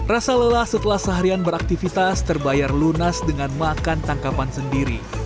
rasa lelah setelah seharian beraktivitas terbayar lunas dengan makan tangkapan sendiri